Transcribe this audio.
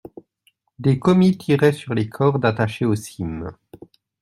Des commis tiraient sur les cordes attachées aux cimes.